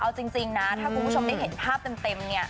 เอาจริงถ้าบุคคลงูชมได้เห็นภาพเต็ม